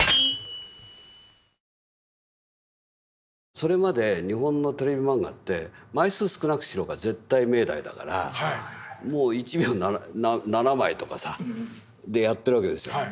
それまで日本のテレビマンガって枚数少なくしろが絶対命題だからもう１秒７枚とかでやってるわけですよ。